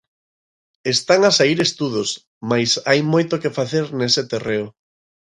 Están a saír estudos mais hai moito que facer nese terreo.